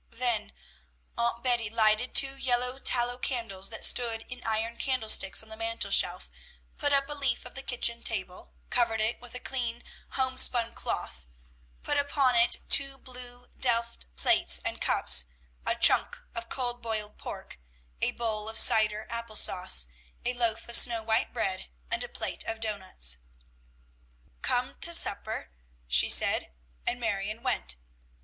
Then Aunt Betty lighted two yellow tallow candles that stood in iron candlesticks on the mantel shelf, put up a leaf of the kitchen table, covered it with a clean homespun cloth, put upon it two blue delft plates and cups, a "chunk" of cold boiled pork, a bowl of cider apple sauce, a loaf of snow white bread, and a plate of doughnuts. "Come to supper!" she said, and Marion went.